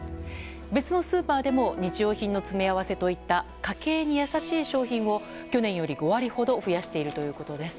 別のスーパーでも日用品の詰め合わせといった家計に優しい商品を去年より５割ほど増やしているということです。